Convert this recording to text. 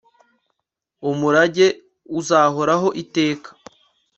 umurage uzahoraho iteka